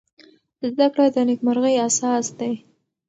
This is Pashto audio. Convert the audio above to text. زده کړه د نېکمرغۍ اساس دی.